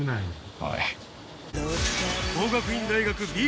はい。